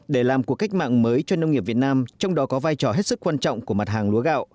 để làm cuộc cách mạng mới cho nông nghiệp việt nam trong đó có vai trò hết sức quan trọng của mặt hàng lúa gạo